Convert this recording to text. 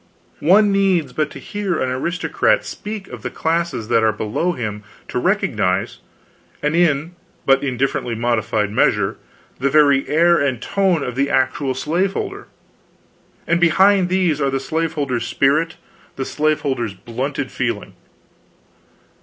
One needs but to hear an aristocrat speak of the classes that are below him to recognize and in but indifferently modified measure the very air and tone of the actual slaveholder; and behind these are the slaveholder's spirit, the slaveholder's blunted feeling.